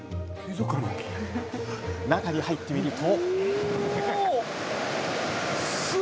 中に入ってみると。